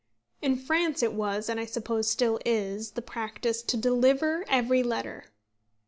In France it was, and I suppose still is, the practice to deliver every letter.